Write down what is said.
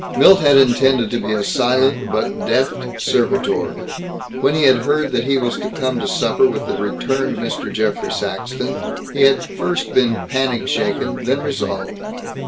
Milt had intended to be a silent but deft servitor. When he had heard that he was to come to supper with the returned Mr. Geoffrey Saxton, he had first been panic shaken, then resolved.